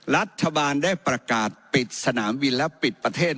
รัฐบาลได้ประกาศปิดสนามบินและปิดประเทศ